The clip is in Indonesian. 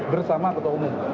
bersama ketua umum